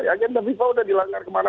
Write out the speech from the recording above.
agenda fifa sudah dilanggar kemana mana